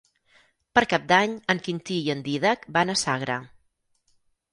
Per Cap d'Any en Quintí i en Dídac van a Sagra.